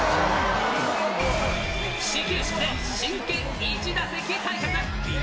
始球式で真剣、１打席対決。